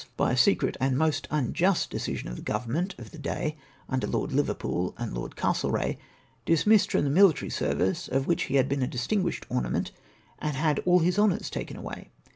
hy a secret and most unjust decision of the Government of the day, under Lord Liverpool ami Lord Castlereagh, dismissed from the military service, of wljicli be bad been a distingnisbed ornament, and bad all bis bonours taken away.